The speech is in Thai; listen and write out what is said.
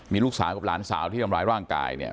มีลูกสาวกับหลานสาวที่ทำร้ายร่างกายเนี่ย